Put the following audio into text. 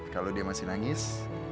kalau dia masih nangis